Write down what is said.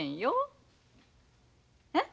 えっ？